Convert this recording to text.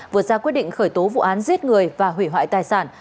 vừa ra quyết định khởi tố vụ án giết người và hủy hoại tài sản